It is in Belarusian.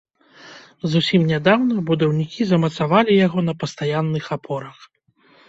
Зусім нядаўна будаўнікі замацавалі яго на пастаянных апорах.